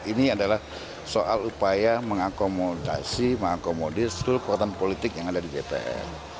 ini adalah soal upaya mengakomodasi mengakomodir seluruh kekuatan politik yang ada di dpr